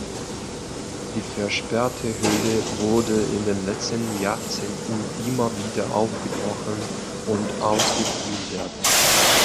Die versperrte Höhle wurde in den letzten Jahrzehnten immer wieder aufgebrochen und ausgeplündert.